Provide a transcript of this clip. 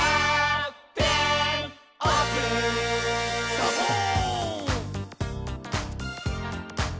「サボーン！」